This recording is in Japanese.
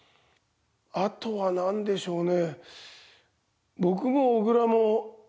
あとはなんでしょうね。